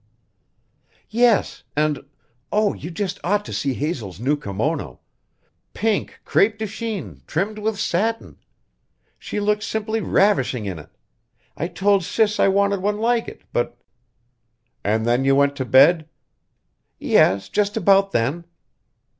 "Yes, and oh, you just ought to see Hazel's new kimono pink crêpe de chine, trimmed with satin. She looks simply ravishing in it. I told Sis I wanted one like it, but " "And then you went to bed?" "Yes, just about then."